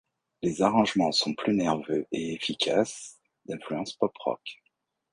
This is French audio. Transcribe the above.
Les arrangements sont plus nerveux et efficaces d'influence pop-rock.